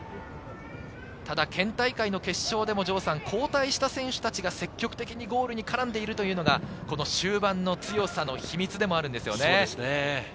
ただ県大会決勝でも交代した選手達が積極的にゴールに絡んでいるというのが終盤の強さの秘密でもあるんですね。